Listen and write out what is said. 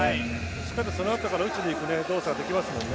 しっかりそのあとから打ちに行く動作ができますよね。